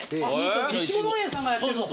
いちご農園さんがやってる。